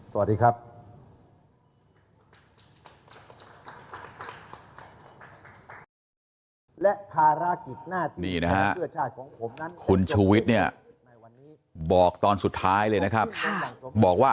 สวัสดีครับ